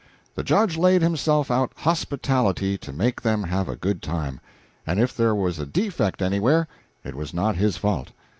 The Judge laid himself out hospitably to make them have a good time, and if there was a defect anywhere it was not his fault.